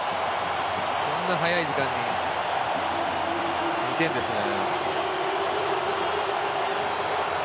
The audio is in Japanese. こんな早い時間に２点ですよね。